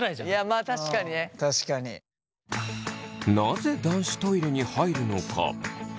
なぜ男子トイレに入るのか？